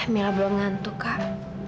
mila belum ngantuk kak